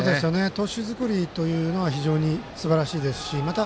投手作りは非常にすばらしいですしまた、